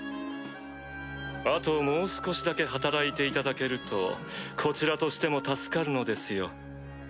あともう少しだけ働いていただけるとこちらとしても助かるのですよ。